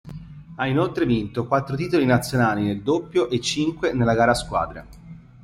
Ha inoltre vinto quattro titoli nazionali nel doppio e cinque nella gara a squadre.